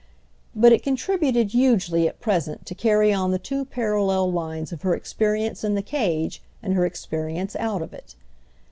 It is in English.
But it contributed hugely at present to carry on the two parallel lines of her experience in the cage and her experience out of it.